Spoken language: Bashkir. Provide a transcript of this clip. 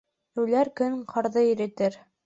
Йүләр көн ҡарҙы иретер